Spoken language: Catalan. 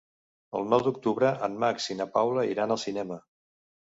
El nou d'octubre en Max i na Paula iran al cinema.